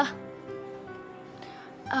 aku mau cari dia